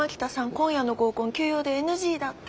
今夜の合コン急用でＮＧだって。